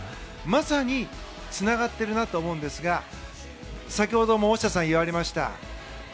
まさに、つながっているなと思うんですが先ほども大下さん言われました